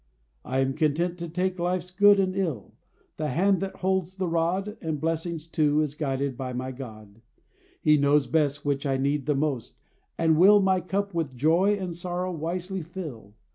I am content to take Life's good and ill: the hand that holds the rod, And blessings too, is guided by my God. He knows best which I need the most, and will My cup with joy and sorrow wisely fill.